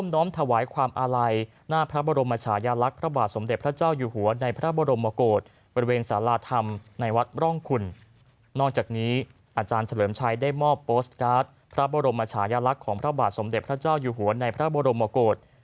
นอกจากนี้อาจารย์เฉลิมชัยได้มอบโปสตการ์ดพระบรมชายลักษณ์ของพระบาทสมเด็จพระเจ้าอยู่หัวในพระบรมกฏ